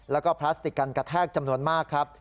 แล้วก็พลาสติกกันกระแทกจำนวนมากครับ